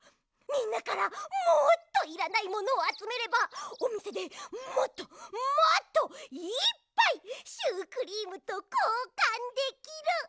みんなからもっといらないものをあつめればおみせでもっともっといっぱいシュークリームとこうかんできる！